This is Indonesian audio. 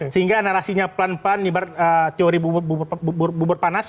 sehingga narasinya pelan pelan ibarat teori bubur panas